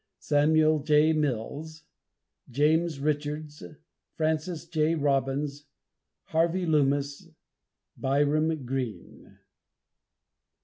SAMUEL J. MILLS, JAMES RICHARDS, FRANCIS L. ROBBINS, HARVEY LOOMIS, BYRAM GREEN.